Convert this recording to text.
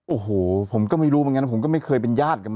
โอ้โหผมก็ไม่รู้เหมือนกันผมก็ไม่เคยเป็นญาติกัน